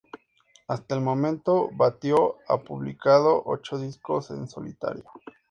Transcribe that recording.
Hasta el momento Batio ha publicado ocho discos en solitario.